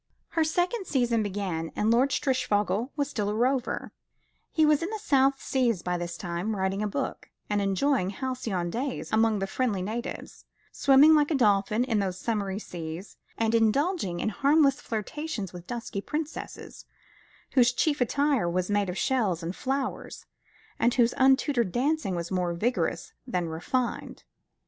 Her second season began, and Lord Strishfogel was still a rover; He was in the South Seas by this time, writing a book, and enjoying halcyon days among the friendly natives, swimming like a dolphin in those summery seas, and indulging in harmless flirtations with dusky princesses, whose chief attire was made of shells and flowers, and whose untutored dancing was more vigorous than refined.